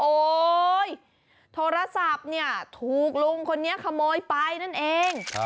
โอ๊ยโทรศัพท์เนี่ยถูกลุงคนนี้ขโมยไปนั่นเอง